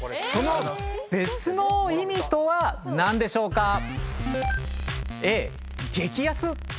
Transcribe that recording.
その別の意味とは何でしょうか？